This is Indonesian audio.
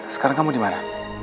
sekarang kamu dimana